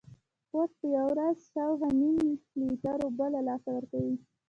پوست په یوه ورځ شاوخوا نیم لیټر اوبه له لاسه ورکوي.